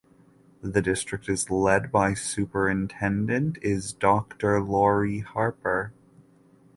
The district is led by superintendent is Doctor Lori Harper.